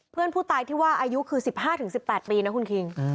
เพื่อนผู้ตายที่ว่าอายุคือ๑๕๑๘ปีนะคุณคิง